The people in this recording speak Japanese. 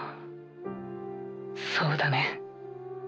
そうだね。